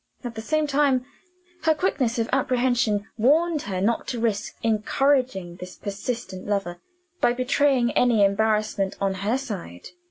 At the same time, her quickness of apprehension warned her not to risk encouraging this persistent lover, by betraying any embarrassment on her side.